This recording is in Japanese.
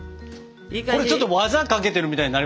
これちょっと技かけてるみたいになりましたよ。